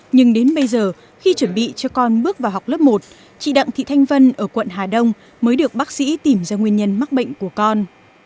nhưng đến bây giờ khi chuẩn bị cho con bước vào học lớp một chị đặng thị thanh vân ở quận hà đông mới được bác sĩ tìm ra nguyên nhân mắc bệnh của con